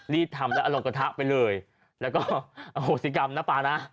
รีดทำแล้วอร่อยกระทะไปเลยแล้วก็โหสิกรรมนะป่านะ